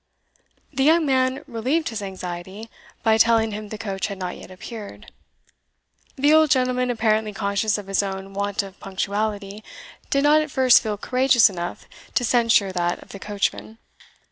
The young man relieved his anxiety, by telling him the coach had not yet appeared. The old gentleman, apparently conscious of his own want of punctuality, did not at first feel courageous enough to censure that of the coachman.